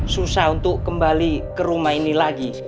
susah untuk kembali ke rumah ini lagi